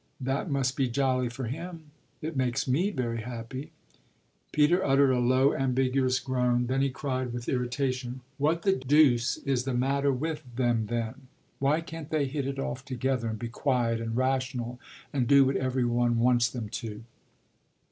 "That must be jolly for him." "It makes me very happy." Peter uttered a low, ambiguous groan; then he cried with irritation; "What the deuce is the matter with them then? Why can't they hit it off together and be quiet and rational and do what every one wants them to?"